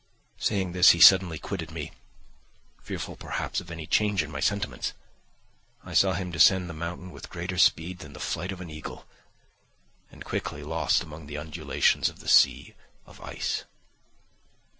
Saying this, he suddenly quitted me, fearful, perhaps, of any change in my sentiments. I saw him descend the mountain with greater speed than the flight of an eagle, and quickly lost among the undulations of the sea of ice.